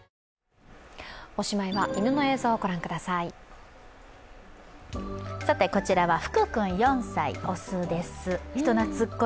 おしまいは犬の映像をご覧ください。